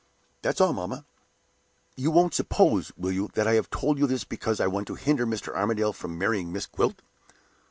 That's all, mamma. You won't suppose, will you, that I have told you this because I want to hinder Mr. Armadale from marrying Miss Gwilt?